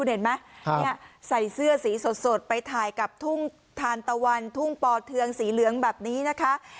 เห็นไหมใส่เสื้อสีสดไปถ่ายกับทุ่งทานตะวันทุ่งปอเทืองสีเหลืองแบบนี้นะคะ